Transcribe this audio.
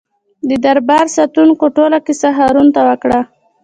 د دربار ساتونکو ټوله کیسه هارون ته وکړه.